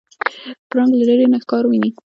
پړانګ له لرې نه ښکار ویني.